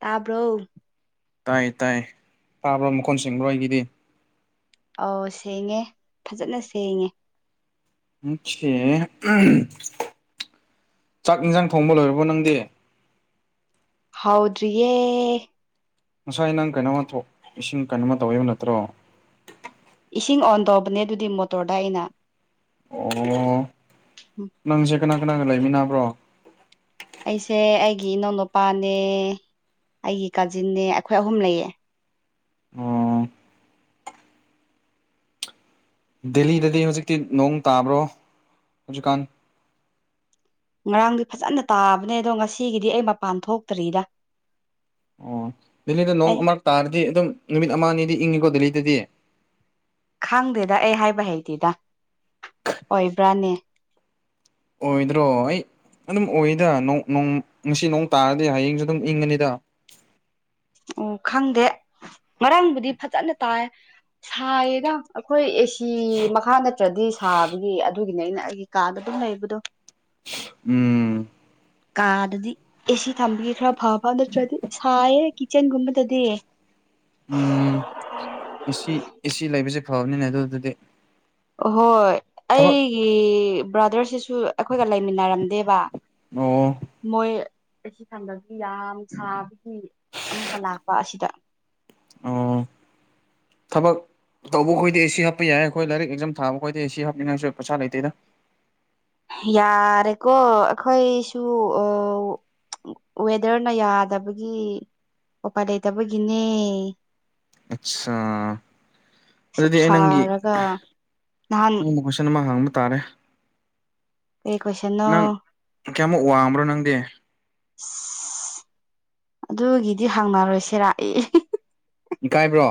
ꯇꯥꯕ꯭ꯔꯣ ꯇꯥꯏ ꯇꯥꯏ ꯐꯥꯕ꯭ꯔ ꯃꯈꯣꯟꯁꯤꯡ ꯂꯣꯏ ꯑꯩꯒꯤꯗꯤ ꯑꯥꯎ ꯁꯦꯡꯉꯦ ꯐꯖꯅ ꯁꯦꯡꯉꯦ ꯃꯦ ꯆꯥꯛ ꯏꯟꯁꯥꯡ ꯊꯣꯡꯕ ꯂꯣꯏꯔꯕꯣ ꯅꯪꯗꯤꯦ ꯍꯥꯎꯗ꯭ꯌꯦꯦ ꯉꯁꯥꯏ ꯅꯪ ꯀꯩꯅꯣꯃ ꯊꯣꯛ ꯏꯁꯤꯡ ꯀꯩꯅꯣꯝꯃ ꯇꯧꯕ ꯅꯠꯇ꯭ꯔꯣ ꯏꯁꯤꯡ ꯑꯣꯟ ꯇꯧꯕꯅꯦ ꯑꯗꯨꯗꯤ ꯃꯣꯇꯣꯔꯗ ꯑꯩꯅ ꯑꯣ ꯅꯪꯁꯦ ꯀꯅꯥ ꯀꯅꯥꯒ ꯂꯩꯃꯤꯟꯅꯕ꯭ꯔꯣ ꯑꯩꯁꯦ ꯑꯩꯒꯤ ꯏꯅꯥꯎꯅꯨꯄꯥꯅꯦ ꯑꯩꯒꯤ ꯀꯥꯖꯤꯟꯅꯦ ꯑꯩꯈꯣꯏ ꯑꯍꯨꯝ ꯂꯩꯌꯦ ꯑꯣ ꯗꯦꯜꯂꯤꯗꯗꯤ ꯍꯧꯖꯤꯛꯇꯤ ꯅꯣꯡ ꯇꯥꯕ꯭ꯔꯣ ꯍꯧꯖꯤꯛꯀꯥꯟ ꯉꯔꯥꯡꯗꯤ ꯐꯖꯅ ꯇꯥꯕꯅꯦ ꯑꯗꯣ ꯉꯁꯤꯒꯤꯗꯤ ꯑꯩ ꯃꯄꯥꯟ ꯊꯣꯛꯇ꯭ꯔꯤꯗ ꯑꯣ ꯗꯦꯜꯂꯤꯗ ꯅꯣꯡ ꯑꯩ ꯑꯃꯛ ꯇꯥꯔꯗꯤ ꯑꯗꯨꯝ ꯅꯨꯃꯤꯠ ꯑꯃ ꯑꯅꯤꯗꯤ ꯏꯪꯉꯤꯀꯣ ꯗꯦꯜꯂꯤꯗꯗꯤ ꯈꯪꯗꯦꯗ ꯑꯩ ꯍꯥꯏꯕ ꯍꯩꯇꯦꯗ ꯑꯣꯏꯕ꯭ꯔꯥꯅꯦ ꯑꯣꯏꯗ꯭ꯔꯣ ꯑꯩ ꯑꯗꯨꯝ ꯑꯣꯏꯗ ꯉꯁꯤ ꯅꯣꯡ ꯇꯥꯔꯗꯤ ꯍꯌꯦꯡꯁꯨ ꯑꯗꯨꯝ ꯏꯪꯉꯅꯤꯗ ꯑꯣ ꯈꯪꯗꯦ ꯃꯔꯝꯕꯨꯗꯤ ꯐꯖꯅ ꯇꯥꯏ ꯁꯥꯏꯌꯦꯅ ꯑꯩꯈꯣꯏꯁꯤ ꯐꯤ ꯃꯈꯥ ꯅꯠꯇ꯭ꯔꯗꯤ ꯁꯥꯕꯒꯤ ꯑꯗꯨꯒꯤꯅꯦ ꯑꯩꯅ ꯑꯩꯒꯤ ꯀꯥꯗ ꯑꯗꯨꯝ ꯂꯩꯕꯗꯣ ꯎꯝ ꯀꯥꯗꯗꯤ ꯑꯦꯁꯤ ꯊꯝꯕꯤꯒꯦ ꯈꯔ ꯐ ꯐ ꯅꯠꯇ꯭ꯔꯗꯤ ꯁꯥꯏꯌꯦ ꯀꯤꯠꯆꯟꯒꯨꯝꯕꯗꯗꯤ ꯎ ꯑꯦꯁꯤ ꯑꯦꯁꯤ ꯂꯩꯕꯁꯦ ꯐꯕꯅꯤꯅꯦ ꯑꯗꯨꯗꯨꯗꯤ ꯍꯣꯏ ꯊꯕꯛ ꯑꯩꯒꯤ ꯕ꯭ꯔꯗꯔꯁꯤꯁꯨ ꯑꯩꯈꯣꯏꯒ ꯂꯩꯃꯤꯟꯅꯔꯝꯗꯦꯕ ꯑꯣ ꯃꯣꯏ ꯑꯩ ꯊꯟꯗꯕꯤ ꯌꯥꯝ ꯁꯥꯕꯒꯤ ꯑꯃꯨꯛꯀ ꯂꯥꯛꯄ ꯑꯁꯤꯗ ꯑꯣ ꯊꯕꯛ ꯇꯧꯕ ꯈꯣꯏꯗꯤ ꯁꯤ ꯍꯥꯞꯄ ꯌꯥꯏ ꯑꯩꯈꯣꯏ ꯂꯥꯏꯔꯤꯛ ꯑꯦꯛꯖꯥꯝ ꯊꯥꯕ ꯈꯣꯏꯗꯦ ꯁꯤ ꯍꯥꯞꯅꯤꯡꯉꯥꯏꯁꯨ ꯄꯩꯁꯥ ꯂꯩꯇꯦꯗ ꯌꯥꯔꯦꯀꯣ ꯑꯩꯈꯣꯏꯁꯨ ꯑ ꯋꯦꯗꯔꯅ ꯌꯥꯗꯕꯒꯤ ꯎꯄꯥꯏ ꯂꯩꯇꯕꯒꯤꯅꯦ ꯑꯠꯆꯥꯥ ꯁꯨꯛ ꯑꯗꯨꯗꯤ ꯑꯩ ꯅꯪꯒꯤ ꯁꯥꯔꯒ ꯅꯍꯥꯟ ꯑꯪ ꯀꯣꯏꯁꯅ ꯑꯃ ꯍꯥꯡ ꯇꯥꯔꯦ ꯀꯩ ꯀꯣꯏꯁꯟꯅꯣ ꯅꯪ ꯑꯁ ꯀꯌꯥꯃꯨꯛ ꯋꯥꯡꯕ꯭ꯔꯣ ꯅꯪꯗꯤ ꯑ ꯑꯗꯨꯒꯤꯗꯤ ꯍꯪꯅꯔꯣꯏꯁꯦꯔꯥꯛꯏ ꯏꯀꯥꯏꯕ꯭ꯔꯣ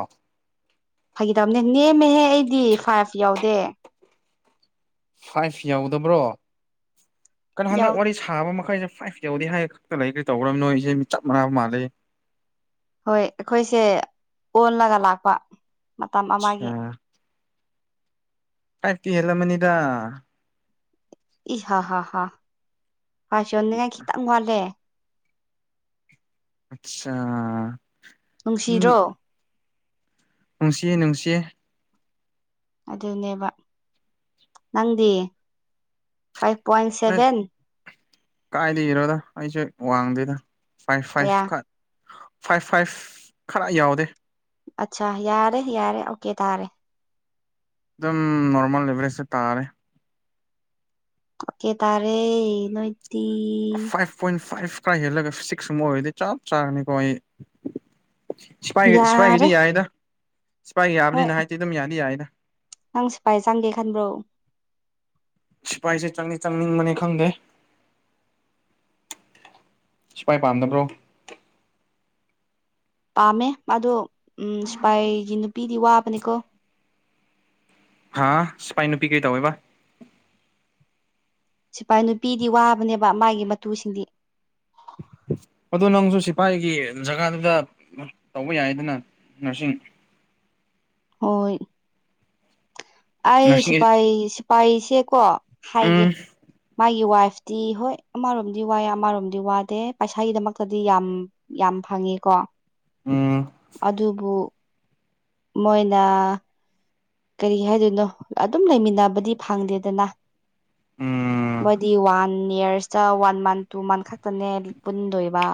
ꯐꯈꯤꯗꯕꯅꯦ ꯅꯦꯝꯃꯦꯍꯦ ꯑꯩꯗꯤ ꯐꯥꯏꯚ ꯌꯥꯎꯗꯦ ꯐꯥꯏꯚ ꯌꯎꯗꯕ꯭ꯔꯣ ꯀꯩꯅꯣ ꯌꯥꯎ ꯍꯟꯗꯛ ꯋꯥꯔꯤ ꯁꯥꯕ ꯑꯩꯈꯣꯏꯁꯦ ꯐꯥꯏꯚꯧꯗꯤ ꯍꯥꯏ ꯈꯛꯇ ꯂꯩ ꯀꯔꯤ ꯇꯧꯈ꯭ꯔꯅꯤ ꯅꯣꯏ ꯑꯩꯁꯦ ꯃꯤ ꯆꯞ ꯃꯥꯟꯅꯕ ꯃꯥꯜꯂꯤ ꯍꯣꯏ ꯑꯩꯈꯣꯏꯁꯦ ꯑꯣꯜꯂꯒ ꯂꯥꯛꯄ ꯃꯇꯝ ꯑꯠꯁꯥ ꯑꯃꯒꯤ ꯀꯛꯇꯤ ꯍꯦꯂ ꯃꯅꯤꯗ ꯏ ꯍꯥꯥ ꯍꯥꯥ ꯍꯥꯥ ꯐꯁꯣꯟꯅꯤꯡꯉꯥꯏ ꯈꯤꯇꯪ ꯋꯥꯠꯂꯦ ꯑꯆꯥ ꯅꯨꯡꯁꯤꯔꯣ ꯅꯨꯡꯁꯤꯌꯦ ꯅꯨꯡꯁꯤꯌꯦ ꯑꯗꯨꯅꯦꯕ ꯅꯪꯗꯤ ꯐꯥꯏꯚ ꯄꯣꯏꯟ ꯁꯚꯦꯟ ꯀꯥꯏꯗꯩꯅꯣꯗ ꯑꯩꯁꯨ ꯋꯥꯡꯗꯦꯗ ꯐꯥꯏꯚ ꯀꯌꯥ ꯐꯥꯏꯚ ꯐꯥꯏꯚ ꯐꯥꯏꯚ ꯈꯔ ꯌꯥꯎꯗꯦ ꯑꯆꯥ ꯌꯥꯔꯦ ꯌꯥꯔꯦ ꯑꯣꯀꯦ ꯇꯥꯔꯦ ꯑꯗꯨꯝ ꯅꯣꯔꯃꯦꯜ ꯑꯦꯚꯔꯦꯖꯁꯦ ꯇꯥꯔꯦ ꯀꯦ ꯇꯔꯦ ꯅꯣꯏꯗꯤ ꯐꯥꯏꯚ ꯄꯣꯏꯟ ꯐꯥꯏꯚ ꯈꯔ ꯍꯦꯜꯂꯒ ꯐꯤꯖꯤꯛꯁ ꯁꯨꯝ ꯑꯣꯏꯔꯗꯤ ꯆꯞ ꯆꯥꯒꯅꯤꯀꯣ ꯑꯩ ꯁꯤ ꯌꯥꯔꯦ ꯁꯤꯐꯥꯏꯒꯤꯗꯤ ꯌꯥꯏꯗ ꯁꯤꯐꯥꯏꯒꯤ ꯍꯣꯏ ꯌꯥꯕꯅꯤꯅ ꯍꯥꯏꯗꯤ ꯑꯗꯨꯝ ꯌꯥꯗꯤ ꯌꯥꯏꯗ ꯅꯪ ꯁꯄꯥꯏ ꯆꯪꯒꯦ ꯈꯟꯕ꯭ꯔꯣ ꯁꯤꯐꯥꯏꯁꯦ ꯆꯪꯅꯤ ꯆꯪꯅꯤꯡꯕꯅꯤ ꯈꯪꯗꯦ ꯁꯤꯐꯏ ꯄꯥꯝꯕ꯭ꯔꯣ ꯄꯥꯝꯃꯦ ꯃꯥꯗꯣ ꯎꯝ ꯁꯤꯐꯏꯒꯤ ꯅꯨꯄꯤꯗꯤ ꯋꯥꯕꯅꯤꯀꯣ ꯍꯥꯥ ꯁꯐꯏ ꯅꯨꯨꯄꯤ ꯀꯩꯗꯧꯏꯕꯥ ꯁꯤꯐꯥꯏ ꯅꯨꯄꯤꯗꯤ ꯋꯥꯕꯅꯦꯕ ꯃꯥꯒꯤ ꯃꯇꯨꯁꯤꯡꯗꯤ ꯑꯗꯣ ꯅꯪꯁꯨ ꯁꯤꯐꯥꯏꯒꯤ ꯖꯒꯥꯗꯨꯗ ꯇꯧꯕ ꯌꯥꯏꯗꯅ ꯅꯥꯔꯁꯤꯡ [inaudible] ꯍꯣꯏ ꯑꯩ ꯅꯔꯁꯤꯡ ꯁꯤꯐꯏ ꯁꯤꯐꯏꯁꯦꯀꯣ ꯍꯥꯏꯒꯦ ꯎꯝ ꯃꯥꯒꯤ ꯋꯥꯏꯐ ꯇꯤ ꯍꯣꯏ ꯑꯃꯔꯣꯝꯗꯤ ꯋꯌꯦ ꯑꯃꯔꯣꯝꯗꯤ ꯋꯥꯗꯦ ꯄꯩꯁꯥꯒꯤꯗꯃꯛꯇꯗꯤ ꯌꯥꯝ ꯌꯥꯝ ꯐꯪꯉꯦꯀꯣ ꯎꯝ ꯑꯗꯨꯕꯨ ꯃꯣꯏꯅ ꯀꯔꯤ ꯍꯥꯏꯗꯣꯏꯅꯣ ꯑꯗꯨꯝ ꯂꯩꯃꯤꯟꯅꯕꯗꯤ ꯐꯪꯗꯦꯗꯅ ꯎꯝ ꯃꯣꯏꯗꯤ ꯋꯥꯟ ꯋꯥꯟ ꯌꯔꯁꯇ ꯋꯥꯟ ꯃꯟ ꯇꯨ ꯃꯟ ꯈꯛꯇꯅꯦ ꯄꯨꯟꯗꯣꯏꯕ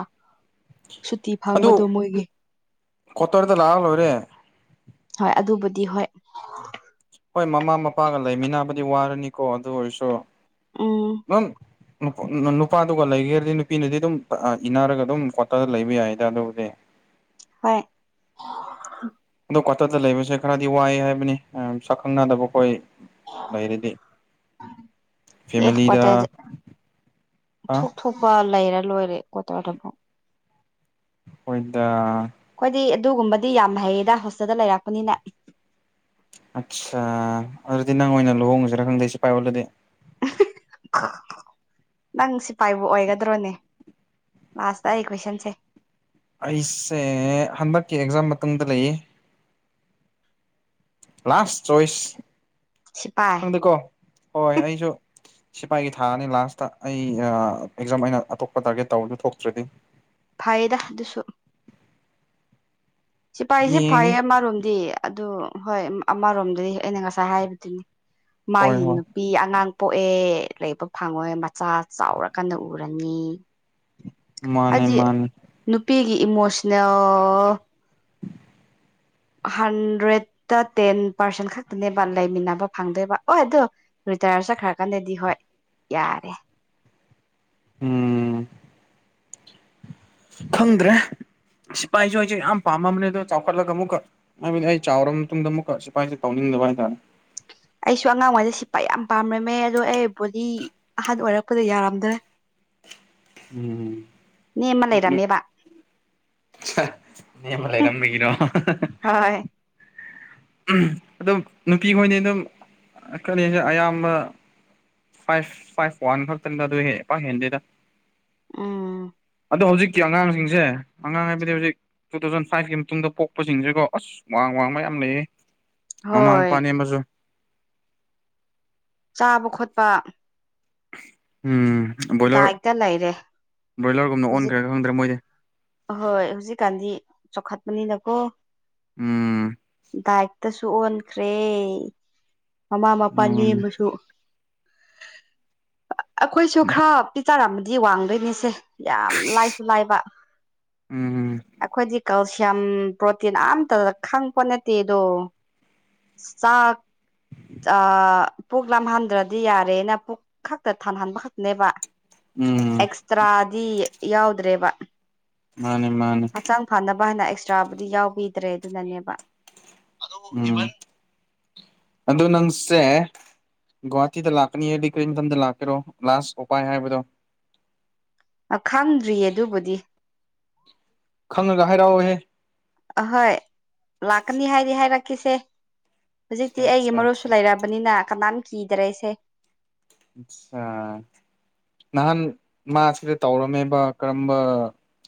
ꯁꯨꯇꯤ ꯑꯗꯨ ꯐꯥꯡꯕꯗꯣ ꯃꯣꯏꯒꯤ ꯀ꯭ꯋꯥꯇꯔꯗ ꯂꯥꯛꯑ ꯂꯣꯏꯔꯦ ꯍꯣꯏ ꯑꯗꯨꯕꯨꯗꯤ ꯍꯣꯏ ꯍꯣꯏ ꯃꯃꯥ ꯃꯄꯥꯒ ꯂꯩꯃꯤꯟꯅꯕꯗꯤ ꯋꯥꯔꯅꯤꯀꯣ ꯑꯗꯨ ꯑꯣꯏꯔꯁꯨ ꯎꯝ ꯅꯨꯄꯥꯗꯨꯒ ꯂꯩꯒꯦꯔꯗꯤ ꯅꯨꯄꯤꯅꯗꯤ ꯑꯗꯨꯝ ꯏꯅꯥꯔꯒ ꯑꯗꯨꯝ ꯀꯋꯥꯠꯇꯗ ꯂꯩꯕ ꯌꯥꯏꯗ ꯑꯗꯨꯕꯨꯗꯤ ꯍꯣꯏ ꯑꯗꯣ ꯀ꯭ꯋꯥꯇꯔꯗ ꯂꯩꯕꯁꯦ ꯈꯔꯗꯤ ꯋꯥꯏ ꯍꯥꯏꯕꯅꯤ ꯁꯥꯛꯈꯪꯅꯗꯕ ꯑꯩꯈꯣꯏ ꯔꯗꯤ ꯑꯦ ꯀꯋꯥꯇꯔꯗ ꯊꯣꯛ ꯊꯣꯛꯄ ꯂꯩꯔ ꯂꯣꯏꯔ ꯦ ꯀꯋꯥꯠꯇꯔꯗꯕꯨ ꯍꯣꯏꯗ ꯑꯩꯈꯣꯏꯗꯤ ꯑꯗꯨꯒꯨꯝꯕꯗꯤ ꯌꯥꯝ ꯍꯩꯌꯦꯗ ꯍꯣꯁꯇꯦꯜꯗ ꯂꯩꯔꯛꯄꯅꯤꯅ ꯑꯠꯆꯥ ꯑꯗꯨꯗꯤ ꯅꯪ ꯑꯣꯏꯅ ꯂꯨꯍꯣꯡꯉꯁꯤꯔꯥ ꯈꯪꯗꯦ ꯁꯤꯐꯏ ꯑꯣꯜꯂꯗꯤ ꯅꯪ ꯁꯤꯄꯥꯏꯕꯨ ꯑꯣꯏꯒꯗ꯭ꯔꯣꯅꯦ ꯂꯁꯇ ꯑꯩ ꯀꯣꯏꯁꯟꯁꯦ ꯑꯩꯁꯦ ꯍꯟꯗꯛꯀꯤ ꯑꯦꯛꯖꯥꯝ ꯃꯇꯨꯡꯗ ꯂꯩꯌꯦ ꯂꯥꯁ ꯆꯣꯏꯁ ꯁꯤꯐꯥꯏ ꯈꯪꯗꯦꯀꯣ ꯍꯣꯏ ꯑꯩꯁꯨ ꯁꯤꯐꯥꯏꯒꯤ ꯊꯥꯅꯤ ꯂꯥꯁꯇ ꯑꯩ ꯑꯦꯛꯖꯥꯝ ꯑꯩꯅ ꯑꯇꯣꯞꯄ ꯇꯥꯔꯒꯦꯠ ꯇꯧꯔꯗ ꯊꯣꯛꯇ꯭ꯔꯗꯤ ꯐꯥꯏꯗ ꯗꯨꯁꯨ ꯁꯤꯐꯥꯏꯁꯤ ꯌꯦꯡꯉꯦ ꯐꯩꯌꯦ ꯑꯃꯔꯣꯝꯗꯤ ꯑꯗꯨ ꯍꯣꯏ ꯑꯃꯔꯣꯝꯗꯗꯤ ꯑꯩꯅ ꯉꯁꯥꯏ ꯍꯥꯏꯕꯗꯨꯅꯤ ꯍꯣꯏ ꯃꯥꯒꯤ ꯍꯣꯏ ꯅꯨꯄꯤ ꯑꯉꯥꯡ ꯄꯣꯛꯑꯦ ꯂꯩꯕ ꯐꯪꯉꯣꯏ ꯃꯆꯥ ꯆꯥꯎꯔ ꯀꯟꯅ ꯎꯔꯅꯤ ꯃꯥꯅꯦ ꯍꯥꯏꯗꯤ ꯃꯥꯅꯦ ꯅꯨꯄꯤꯒꯤ ꯏꯃꯣꯁꯅꯦꯜ ꯍꯟꯗ꯭ꯔꯦꯗꯠꯇ ꯇꯦꯟ ꯄꯥꯔꯁꯦꯟ ꯈꯛꯇꯅꯦꯕ ꯂꯩꯃꯤꯟꯅꯕ ꯐꯪꯗꯣꯏꯕ ꯍ ꯑꯗꯣ ꯔꯤꯇꯥꯌꯔ ꯆꯠꯈ꯭ꯔꯀꯥꯟꯗꯗꯤ ꯍꯣꯏ ꯌꯥꯔꯦ ꯎꯝ ꯈꯪꯗ꯭ꯔꯦ ꯁꯤꯐꯥꯏꯁꯨ ꯑꯩꯁꯦ ꯌꯥꯝ ꯄꯥꯝꯃꯝꯕꯅꯦ ꯑꯗꯣ ꯆꯥꯎꯈꯠꯂꯒ ꯑꯃꯨꯛ ꯍꯥꯏꯕꯗꯤ ꯑꯩ ꯆꯥꯎꯔꯕ ꯃꯇꯨꯡꯗ ꯑꯃꯨꯛꯀ ꯁꯤꯐꯥꯏꯁꯦ ꯇꯧꯅꯤꯡꯉꯦ ꯃꯥꯏ ꯇꯅ ꯑꯩꯁꯨ ꯑꯉꯥꯡꯋꯥꯩꯗ ꯁꯤꯠꯄ ꯌꯥꯝ ꯄꯥꯝꯔꯝꯃꯦ ꯑꯗꯣ ꯑꯩ ꯕꯣꯗꯤ ꯑꯍꯥꯟꯕ ꯑꯣꯏꯔꯛꯄꯗ ꯌꯥꯔꯝꯗ꯭ꯔꯦ [unintelligible] ꯎꯝ ꯅꯦꯝꯃ ꯂꯩꯔꯝꯃꯦꯕ ꯅ ꯃ ꯂꯩꯔꯝꯕꯒꯔꯣ ꯍꯣꯏ ꯑꯗꯨꯝ ꯅꯨꯄꯤ ꯈꯣꯏꯅꯤ ꯑꯗꯨꯝ ꯀ ꯑꯌꯥꯝꯕ ꯐꯥꯏꯚ ꯐꯥꯏꯚ ꯋꯥꯟ ꯈꯛꯇꯅꯤꯗ ꯑꯗꯨ ꯍꯦꯛ ꯄ ꯍꯦꯟꯗꯦꯗ ꯎꯝ ꯑꯗꯣ ꯍꯧꯖꯤꯛꯀꯤ ꯑꯉꯥꯡꯁꯤꯡꯁꯦ ꯑꯉꯥꯡ ꯍꯥꯏꯕꯗꯤ ꯍꯧꯖꯤꯛ ꯇꯨ ꯊꯥꯎꯖꯟ ꯐꯥꯏꯚꯀꯤ ꯃꯇꯨꯡꯗ ꯄꯣꯛꯄꯁꯤꯡꯁꯤꯦꯀꯣ ꯑꯁ ꯋꯥꯡꯕ ꯋꯥꯡꯕ ꯌꯥꯝ ꯂꯩꯌꯦ ꯃꯃꯥ ꯍꯣꯏ ꯃꯄꯥ ꯅꯦꯝꯕꯁꯨ ꯆꯥꯕ ꯈꯣꯠꯄ ꯎꯝ ꯕꯣꯏꯂꯔ ꯗꯥꯏꯠꯇ ꯂꯩꯔꯦ ꯕ꯭ꯔꯣꯏꯂꯔꯒꯨꯝꯅ ꯑꯣꯟꯈ꯭ꯔꯦꯒ ꯈꯪꯗ꯭ꯔꯦ ꯃꯣꯏꯗꯤ ꯑꯍꯣꯏ ꯍꯧꯖꯤꯛꯀꯥꯟꯗꯤ ꯆꯥꯎꯈꯠꯄꯅꯤꯅꯀꯣ ꯎꯝ ꯁꯨ ꯑꯣꯟꯈ꯭ꯔꯦ ꯃꯃꯥ ꯃꯄꯥ ꯅ ꯎꯝ ꯑꯃꯁꯨ ꯑꯩꯈꯣꯏꯁꯨ ꯈꯔ ꯄꯤ ꯆꯔꯃꯗꯤ ꯋꯥꯡꯗꯣꯏꯅꯦꯁꯦ ꯌꯥꯝ ꯂꯥꯏꯁꯨ ꯂꯥꯏꯕ ꯎꯝ ꯑꯩꯈꯣꯏꯗꯤ ꯀꯦꯜꯁꯤꯌꯝ ꯄ꯭ꯔꯣꯇꯤꯟ ꯑꯇꯗ ꯈꯪꯄꯣꯠ ꯅꯠꯇꯦꯗꯣ ꯆꯥꯛ ꯄꯨꯛ ꯂꯥꯍꯟꯗ꯭ꯔꯗꯤ ꯌꯥꯔꯦꯅ ꯄꯨꯛ ꯈꯛꯇ ꯊꯥꯟꯍꯟꯕ ꯈꯛꯇꯅꯦꯕ ꯎꯝ ꯑꯦꯛꯁꯇ꯭ꯔꯥꯗꯤ ꯌꯥꯎꯗ꯭ꯔꯦꯕ ꯃꯥꯅꯦ ꯃꯥꯅꯦ ꯍꯛꯆꯥꯡ ꯐꯅꯕ ꯍꯥꯏꯅ ꯑꯦꯛꯁꯇ꯭ꯔꯥꯕꯨꯗꯤ ꯌꯥꯎꯕꯤꯗ꯭ꯔꯦ ꯑꯗꯨꯅꯅꯦꯕ ꯑꯗꯨ ꯏꯚꯟ ꯑꯗꯨꯗ ꯅꯪꯁꯦ ꯒꯨꯍꯥꯇꯤꯗ ꯂꯥꯛꯀꯅꯤꯌꯦꯗꯤ ꯀꯔꯤꯊꯗ ꯂꯥꯛꯀꯦꯔꯣ ꯂꯥꯁ ꯎꯄꯥꯏ ꯍꯥꯏꯕꯗꯣ ꯑ ꯈꯪꯗ꯭ꯔꯤꯌꯦ ꯑꯗꯨꯕꯨꯗꯤ ꯈꯪꯉꯒ ꯍꯥꯏꯔꯛꯑꯣꯍꯦ ꯑꯍꯣꯏ ꯂꯥꯛꯅꯤꯍꯥꯏꯔꯤꯍꯥꯏ ꯔꯀꯈꯤꯁ ꯍꯧꯖꯤꯛꯇꯤ ꯑꯩꯒꯤ ꯑꯠꯆꯥ ꯑꯠꯆꯥ ꯃꯔꯨꯞꯁꯨ ꯂꯩꯔꯑꯔꯕꯅꯤꯅ ꯀꯅꯥꯝ ꯀꯤꯗꯔꯦ ꯑꯩꯁꯦ ꯑꯆꯥ ꯅꯍꯥꯟ ꯃꯥꯁꯤꯗ ꯇꯧꯔꯝꯃꯦꯕ ꯀꯔꯝꯕ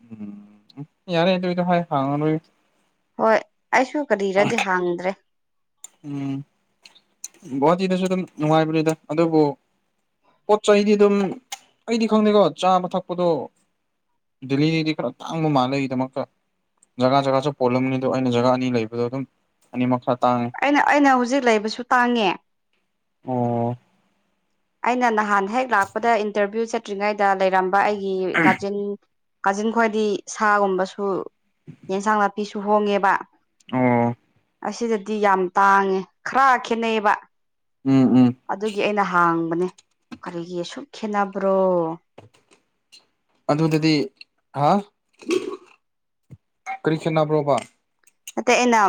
ꯎꯝ ꯌꯥꯔ ꯍ ꯍꯉ ꯍꯣꯏ ꯑꯩꯁꯨ ꯀꯔꯤꯔꯗꯤ ꯍꯥꯡꯗ꯭ꯔꯦ ꯎꯝ ꯒꯨꯍꯥꯇꯤꯗꯁꯨ ꯑꯗꯨꯝ ꯅꯨꯡꯉꯥꯏꯕꯅꯤꯗ ꯑꯗꯨꯕꯨ ꯄꯣꯠ ꯆꯩꯗꯤ ꯑꯗꯨꯝ ꯑꯩꯗꯤ ꯈꯪꯗꯦꯀꯣ ꯆꯥꯕ ꯊꯛꯄꯗꯣ ꯗꯦꯜꯂꯤꯗꯒꯤꯩꯗꯤ ꯈꯔ ꯇꯥꯡꯕ ꯃꯥꯜꯂꯒꯤꯗꯃꯀ ꯖꯒꯥ ꯖꯒꯥꯁꯨ ꯄꯣꯜꯂꯝꯅꯤ ꯑ ꯑꯗꯨ ꯑꯩꯅ ꯖꯒꯥ ꯑꯅꯤ ꯂꯩꯕꯗꯣ ꯑꯗꯨꯝ ꯑꯅꯤ ꯃꯈꯥ ꯇ ꯑꯩꯅ ꯑꯩꯅ ꯍꯧꯖꯤꯛ ꯂꯩꯕꯁꯨ ꯇꯥꯡꯉꯦ ꯑꯣ ꯑꯩꯅ ꯅꯍꯥꯟ ꯍꯦꯛ ꯂꯥꯛꯄꯗ ꯏꯟꯇꯔꯚꯤꯌꯨ ꯆꯠꯇ꯭ꯔꯤꯉꯩꯗ ꯂꯩꯔꯝꯕ ꯑꯩꯒꯤ ꯀꯥꯖꯤꯟ ꯀꯥꯖꯤꯟ ꯈ꯭ꯋꯥꯗꯤ ꯁꯥꯒꯨꯝꯕꯁꯨ ꯌꯦꯟꯁꯥꯡ ꯅꯥꯄꯤꯁꯨ ꯍꯣꯡꯉꯦꯕ ꯑꯣ ꯗꯤ ꯌꯥꯝ ꯇꯥꯡꯉꯦ ꯈꯔ ꯈꯦꯠꯅꯩꯌꯦꯕ ꯎꯝ ꯎꯝ ꯑꯗꯨꯒꯤ ꯑꯩꯅ ꯍꯥꯡ ꯈꯅꯦ ꯀꯔꯤꯒꯤ ꯁꯁꯨꯛ ꯈꯦꯠꯅꯕ꯭ꯔꯣ ꯑꯗꯨꯗꯗꯤ ꯍꯥ ꯀꯔꯤ ꯈꯦꯠꯅꯕ꯭ꯔꯣꯕ ꯑꯇꯩ ꯑꯩꯅ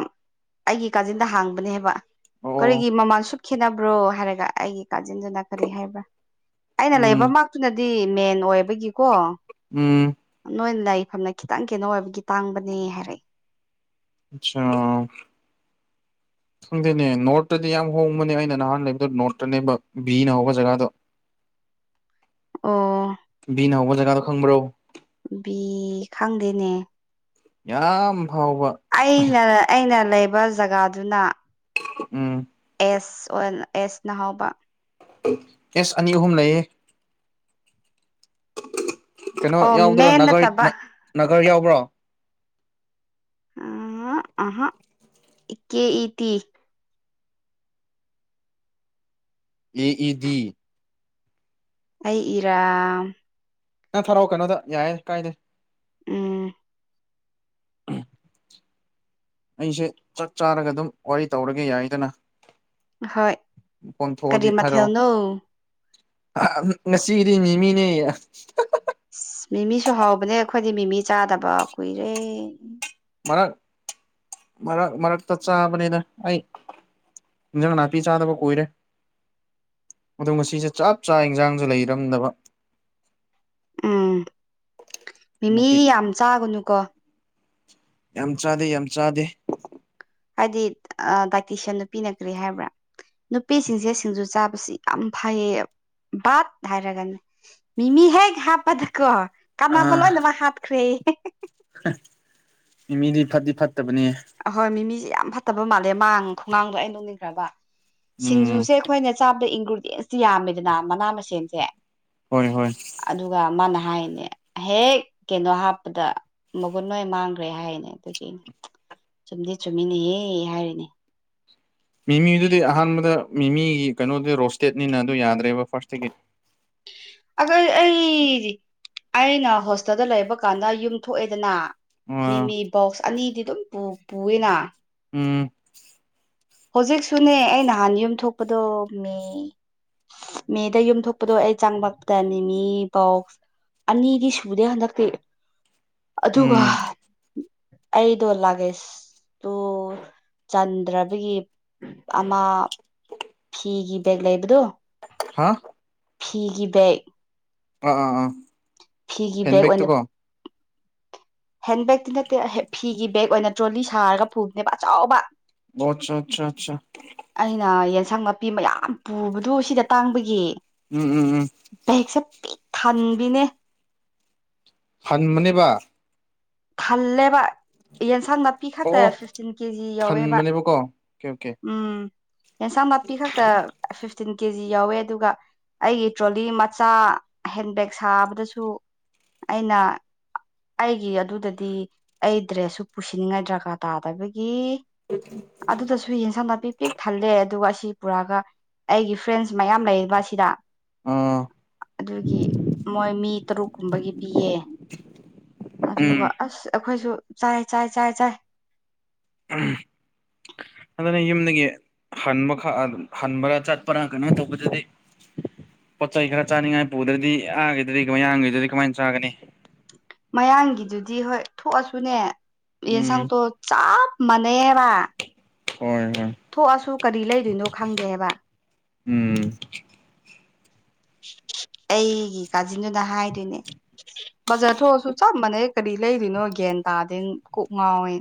ꯑꯩꯒꯤ ꯀꯥꯖꯤꯟꯗ ꯍꯥꯡꯕꯅꯦ ꯍꯥꯏꯕ ꯑꯣ ꯀꯔꯤꯒꯤ ꯃꯃꯥꯟ ꯁ ꯈꯦꯠꯅꯕ꯭ꯔꯣ ꯍꯥꯏꯔꯒ ꯑꯩꯒꯤ ꯀꯥꯖꯤꯟꯗꯨꯅ ꯀꯔꯤ ꯍꯥꯏꯕ꯭ꯔꯥ ꯑꯩꯅ ꯂꯩꯕ ꯎꯝ ꯃꯥꯛꯇꯨꯅ ꯗꯤ ꯃꯦꯟ ꯑꯣꯏꯕꯒꯤꯀꯣ ꯎꯝ ꯅꯣꯏꯅ ꯂꯥꯏꯐꯝꯅ ꯈꯤꯇꯪ ꯀꯩꯅꯣ ꯑꯣꯏꯕꯒꯤ ꯇꯥꯡꯕꯅꯦ ꯍꯥꯏꯔꯛꯏ ꯑꯆꯥ ꯈꯪꯗꯦꯅꯦ ꯅꯣꯔꯠꯇꯗꯤ ꯌꯥꯝ ꯍꯣꯡꯕꯅꯦ ꯑꯩꯅ ꯅꯍꯥꯟ ꯂꯩꯕꯗꯣ ꯅꯣꯔꯠꯇꯅꯦꯕ ꯕꯤꯅ ꯍꯧꯕ ꯖꯒꯥꯗꯣ ꯑꯣ ꯕꯤꯅ ꯍꯧꯕ ꯖꯒꯥꯗꯣ ꯈꯪꯕ꯭ꯔꯣ ꯕꯤ ꯈꯪꯗꯦꯅꯦ ꯌꯥ ꯑꯩꯅ ꯑꯩꯅ ꯂꯩꯕ ꯖꯒꯥꯗꯨꯅ ꯎꯝ ꯑꯦꯁ ꯑꯣꯏ ꯑꯦꯁ ꯅꯍꯥꯎꯕ ꯀꯦꯁ ꯑꯅꯤ ꯑꯍꯨꯝ ꯂꯩꯌꯦ ꯀꯩꯅꯣ ꯑꯣ ꯌꯥꯎꯗ꯭ꯔꯣ ꯔ ꯃꯦꯟ ꯅꯠꯇꯕ ꯅꯥꯒꯔ ꯌꯥꯎꯕ꯭ꯔꯣ ꯑ ꯑꯍ ꯀꯦꯇ ꯑꯦ ꯏꯗꯤ ꯑꯩ ꯏꯔꯝ ꯅꯪ ꯊꯔꯛꯑꯣ ꯀꯩꯅꯣꯗ ꯌꯥꯏꯦ ꯀꯥꯏꯗꯦ ꯎꯝ ꯑꯩꯁꯦ ꯆꯥꯛ ꯆꯥꯔꯒ ꯑꯗꯨꯝ ꯋꯥꯔꯤ ꯇꯧꯔꯒꯦ ꯌꯥꯏꯗꯅ ꯍꯣꯏ ꯀꯔꯤ ꯃꯊꯦꯜꯅꯣ ꯅꯁꯤꯗꯤꯅꯤꯃꯤꯅꯦ ꯑ ꯃꯤꯃꯤꯁꯨ ꯍꯥꯎꯕꯅꯦ ꯑꯩꯈꯣꯏꯗꯤ ꯃꯤꯃꯤ ꯆꯥꯗꯕ ꯀꯨꯏꯔꯦ ꯃꯔꯛ ꯃꯔꯛ ꯃꯔꯛꯇ ꯆꯥꯕꯅꯤꯅ ꯑꯩ ꯏꯟꯖꯥꯡ ꯅꯥꯄꯤ ꯆꯥꯗꯕ ꯀꯨꯏꯔꯦ ꯑ ꯉꯁꯤꯁꯦ ꯆꯞ ꯆꯥ ꯏꯟꯖꯥꯡꯁꯨ ꯂꯩꯔꯝꯗꯕ ꯎꯝ ꯃꯤꯃꯤ ꯅꯥꯄꯤ ꯌꯥꯝ ꯆꯥꯒꯅꯨꯀꯣ ꯌꯥꯝ ꯆꯥꯗꯦ ꯌꯥꯝ ꯆꯥꯗꯦ ꯍꯥꯏꯗꯤ ꯗꯥꯏꯇꯤꯁꯤꯌꯥꯟ ꯅꯨꯄꯤ ꯅ ꯀ꯭ꯔꯦ ꯍꯥꯏꯕ꯭ꯔꯥ ꯅꯨꯄꯤꯁꯤꯡꯁꯦ ꯁꯤꯡꯖꯨ ꯆꯥꯕꯁꯤ ꯌꯥꯝ ꯐꯩꯌꯦꯕ ꯍꯥꯏꯔꯒꯅ ꯃꯤꯃꯤꯃꯤ ꯍ ꯈꯥꯄꯊ ꯀ ꯀꯥꯟꯕ ꯂꯣꯏ ꯅꯃ ꯍꯥꯥꯛ ꯈꯔꯤꯦ ꯃꯤ ꯃꯤꯗꯤ ꯐꯗꯤ ꯐꯠꯇꯕꯅꯦ ꯑꯍꯣꯏ ꯃꯤꯃꯤꯁꯦ ꯌꯥꯝ ꯐꯠꯇꯕ ꯃꯥꯜꯂꯦꯥꯡ ꯈꯣꯡꯒꯥꯡꯗꯣ ꯑꯩꯅ ꯂꯧꯅꯤꯡꯈ꯭ꯔꯕ ꯎꯝ ꯁꯤꯡꯖꯨꯁꯦ ꯑꯩꯈꯣꯏꯅ ꯆ ꯒꯨꯗꯦꯟꯁꯇꯤ ꯌꯥꯝꯃꯦꯗꯅ ꯃꯅꯥ ꯃꯁꯤꯡꯦꯟꯁꯦ ꯍꯣꯏ ꯍꯣꯏ ꯑꯗꯨꯒ ꯃꯥꯅ ꯍꯥꯏꯅꯦ ꯍꯦꯛ ꯀꯩꯅꯣ ꯍꯥꯞꯄꯗ ꯃꯒꯨꯟ ꯂꯣꯏ ꯃꯥꯡꯈ꯭ꯔꯦ ꯍꯥꯏꯅꯦ ꯑꯗꯨꯒꯤꯅꯦ ꯆꯨꯝꯗꯤ ꯆꯨꯝꯃꯤꯅꯦꯍꯦ ꯍꯥꯏꯔꯤꯅꯦ ꯃꯤꯃꯤꯗꯨꯗꯤ ꯑꯍꯥꯟꯕꯗ ꯃꯤꯃꯤꯒꯤ ꯀꯩꯅꯣꯗꯨ ꯔꯣꯁꯇꯦꯠꯅꯤꯅ ꯑꯗꯨ ꯌꯥꯗ꯭ꯔꯦꯕ ꯐꯥꯔꯁꯇꯒꯤꯗꯤ ꯑꯈ ꯑꯩ ꯑꯩꯅ ꯍꯣꯁꯇꯦꯜꯗ ꯂꯩꯕ ꯀꯥꯟꯗ ꯌꯨꯝ ꯊꯣꯛꯑꯦꯗꯅ ꯑ ꯃꯤꯃꯤ ꯕꯣꯛꯁ ꯑꯅꯤꯗꯤ ꯑꯗꯨꯝ ꯄꯨꯏꯅ ꯎꯝ ꯍꯧꯖꯤꯛꯁꯨꯅꯦ ꯑꯩ ꯅꯍꯥꯟ ꯌꯨꯝ ꯊꯣꯛꯄꯗꯣ ꯃꯤ ꯃꯦꯗ ꯌꯨꯝꯊꯣꯛꯄꯗꯣ ꯑꯩ ꯆꯥꯡꯕꯛꯇꯅꯤ ꯃꯤ ꯕꯣꯛꯁ ꯑꯅꯤꯗꯤ ꯁꯨꯗꯦ ꯍꯟꯗꯛꯇꯤ ꯑꯗꯨꯒ ꯎꯝ ꯑꯩꯗꯣ ꯂꯥꯒꯦꯁꯇꯨ ꯆꯟꯗ꯭ꯔꯕꯒꯤ ꯑꯃ ꯐꯤꯒꯤ ꯕꯦꯒ ꯂꯩꯕꯗꯣ ꯍꯥ ꯐꯤꯒꯤ ꯦꯛ ꯑ ꯑ ꯎꯝ ꯐꯤꯒꯤ ꯕꯒ ꯑꯣꯏꯅ ꯍꯦꯟꯕꯦꯛꯇꯤ ꯅꯠꯇꯦ ꯐꯤꯒꯤ ꯕꯦꯒ ꯑꯣꯏꯅ ꯇ꯭ꯔꯣꯂꯤ ꯁꯥꯔꯒ ꯄꯨꯕꯅꯦꯕ ꯑꯆꯥꯎꯕ ꯑꯣ ꯑꯠꯆꯥ ꯑꯆꯥ ꯑꯆꯥ ꯑꯦꯟꯁꯪ ꯅꯥꯄꯤ ꯃꯌꯥꯝ ꯄꯨꯕꯗꯣ ꯁꯤꯗ ꯇꯥꯡꯕꯒꯤ ꯎꯝ ꯎꯝ ꯎꯝ ꯕꯦꯛꯁꯦ ꯄꯤꯛ ꯊꯥꯟꯕꯤꯅꯦ ꯐꯟꯃꯅꯦꯕ ꯊꯜꯦꯕ ꯌꯦꯟꯁꯥꯡ ꯅꯥꯄꯤ ꯑꯣ ꯈꯛꯇ ꯑꯣ ꯐꯤꯐꯇꯤꯟ ꯀꯦꯖꯤ ꯌꯧꯋꯦꯕ ꯊꯟꯕꯅꯦꯕꯀꯣ ꯑꯣꯀꯦ ꯑꯣꯀꯦ ꯎꯝ ꯌꯦꯟꯁꯥꯡ ꯅꯥꯄꯤ ꯈꯛꯇ ꯐꯤꯐꯇꯤꯟ ꯀꯦꯖꯤ ꯌꯥꯎꯋꯦ ꯑꯗꯨꯒ ꯑꯩꯒꯤ ꯇ꯭ꯔꯣꯂꯤ ꯃꯆꯥ ꯍꯦꯟꯕꯦꯛ ꯁꯥꯕꯗꯁꯨ ꯑꯩꯅ ꯑꯩꯒꯤ ꯑꯗꯨꯗꯗꯤ ꯑꯩ ꯗ꯭ꯔꯦꯁꯁꯨ ꯄꯨꯁꯤꯟꯅꯤꯡꯉꯥꯏ ꯗ꯭ꯔꯀꯥꯔ ꯇꯥꯗꯕꯒꯤ ꯑꯗꯨꯗꯁꯨ ꯌꯦꯟꯁꯥꯡ ꯅꯥꯄꯤꯤ ꯄꯤꯛ ꯊꯜꯂꯦ ꯑꯗꯨꯒ ꯑꯁꯤ ꯄꯨꯔꯛꯑꯒ ꯑꯩꯒꯤ ꯐ꯭ꯔꯦꯟꯁ ꯃꯌꯥꯝ ꯂꯩꯔꯤꯕ ꯑꯁꯤꯗ ꯑꯥ ꯑꯗꯨꯒꯤ ꯃꯣꯏ ꯃꯤ ꯇꯔꯨꯛ ꯀꯨꯝꯕꯒꯤ ꯄꯤꯌꯦ ꯎꯝ ꯑꯗꯨꯒ ꯑꯁ ꯑꯩꯈꯣꯏꯁꯨ ꯆꯥꯏ ꯆꯥꯏ ꯆꯥꯏ ꯆꯥꯏ ꯑꯗꯨꯅ ꯌꯨꯝꯗꯒꯤ ꯍꯟꯕ ꯈꯛ ꯑꯗꯨꯝ ꯍꯟꯕ꯭ꯔꯥ ꯆꯠꯄꯔꯥ ꯀꯩꯅꯣ ꯇꯧꯕꯗꯗꯤ ꯄꯣꯠ ꯆꯩ ꯈꯔ ꯆꯥꯅꯤꯡꯉꯥꯏ ꯄꯨꯗ꯭ꯔꯗꯤ ꯑꯥꯈꯤꯗ꯭ꯔꯗꯤ ꯀꯃꯥꯏ ꯑꯥꯡꯈꯤꯗꯗꯤ ꯀꯃꯥꯏꯅ ꯆꯥꯒꯅꯤ ꯃꯌꯥꯡꯒꯤꯗꯨꯗꯤ ꯍꯣꯏ ꯊꯣꯛꯑꯁꯨꯅꯦ ꯎꯝ ꯌꯦꯟꯁꯥꯡꯇꯣ ꯆꯞ ꯃꯅꯦ ꯋꯥ ꯍꯣꯏ ꯍꯣꯏ ꯊꯣꯛꯑꯁꯨ ꯀꯔꯤ ꯂꯩꯗꯣꯏꯅꯣ ꯈꯪꯗꯦ ꯍꯥꯏꯕ ꯎꯝ ꯑꯩꯒꯤ ꯀꯥꯖꯤꯟꯗꯨꯅ ꯍꯥꯏꯗꯣꯏꯅꯦ ꯕꯖꯥꯔ ꯊꯣꯛꯑꯁꯨ ꯆꯞ ꯃꯥꯟꯅꯩ ꯀꯔꯤ ꯂꯩꯔꯤꯅꯣ ꯒ꯭ꯌꯥꯟ ꯇꯥꯗꯦ ꯀꯣꯛ ꯉꯥꯎꯏ